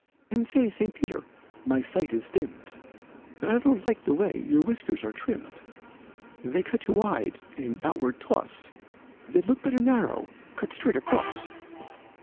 And say, St. Peter, my sight is dimmed, But I don't like the way your whiskers are trimmed, They're cut too wide and outward toss: They'd look better narrower, cut straight across.